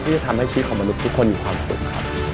ที่จะทำให้ชีวิตของมนุษย์ทุกคนมีความสุขครับ